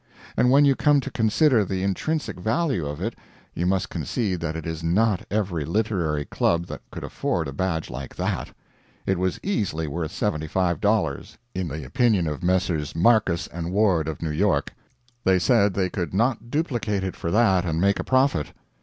And when you come to consider the intrinsic value of it, you must concede that it is not every literary club that could afford a badge like that. It was easily worth $75, in the opinion of Messrs. Marcus and Ward of New York. They said they could not duplicate it for that and make a profit.